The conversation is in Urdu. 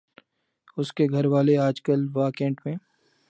اس کے گھر والے آجکل واہ کینٹ میں